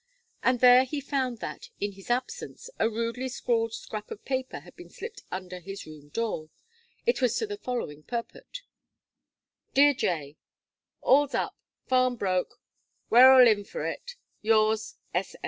There he found that, in his absence, a rudely scrawled scrap of paper had been slipped under his room door; it was to the following purport: "Dear J., "Als up; farm broke. Weral inn for it. "Yours, "S.